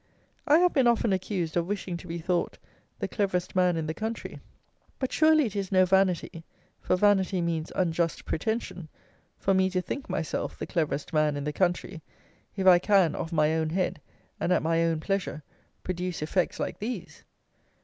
I have been often accused of wishing to be thought the cleverest man in the country; but surely it is no vanity (for vanity means unjust pretension) for me to think myself the cleverest man in the country, if I can of my own head, and at my own pleasure, produce effects like these.